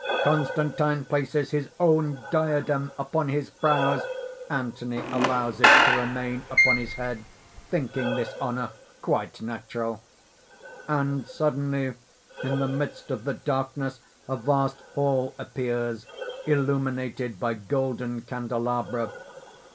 Constantine places his own diadem upon his brows. Anthony allows it to remain upon his head, thinking this honor quite natural._ _And suddenly in the midst of the darkness a vast hall appears, illuminated by golden candelabra.